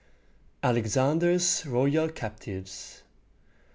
ALEXANDER'S ROYAL CAPTIVES.